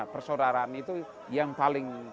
persaudaraan itu yang paling